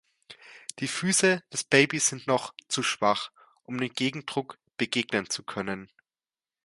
Die Füße des Babys sind noch zu schwach, um dem Gegendruck begegnen zu können.